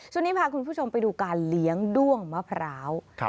ช่วงนี้พาคุณผู้ชมไปดูการเลี้ยงด้วงมะพร้าว